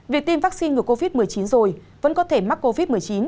việc tiêm vaccine ngừa covid một mươi chín rồi vẫn có thể mắc covid một mươi chín